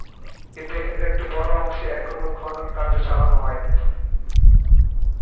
কিন্তু এখানকার একটি বড়ো অংশে এখনও খননকার্য চালানো হয়নি।